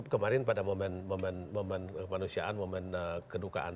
kemarin pada momen momen kemanusiaan momen kedukaan